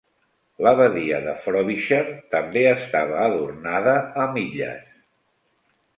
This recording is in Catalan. La badia de Frobisher també estava adornada amb illes.